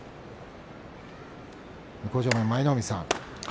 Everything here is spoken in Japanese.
向正面舞の海さん